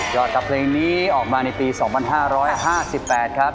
อดกับเพลงนี้ออกมาในปี๒๕๕๘ครับ